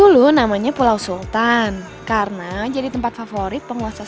jangan lupa like share dan subscribe yaa